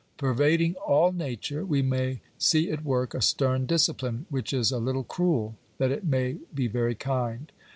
V Pervading all nature we may see at work a stern discipline, which is a little cruel that it may be very kind.